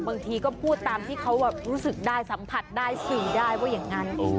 บางทีก็พูดตามที่เขารู้สึกได้สัมผัสได้สื่อได้ว่าอย่างนั้น